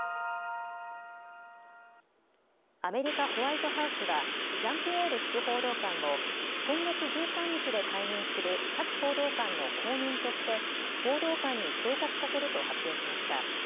アメリカ・ホワイトハウスは、ジャンピエール副報道官を、今月１３日で退任するサキ報道官の後任として、報道官に昇格させると発表しました。